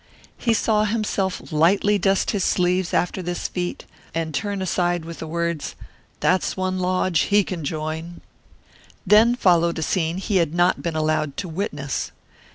He saw himself lightly dust his sleeves after this feat, and turn aside with the words, "That's one Lodge he can join." Then followed a scene he had not been allowed to witness.